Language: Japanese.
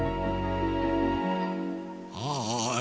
はい！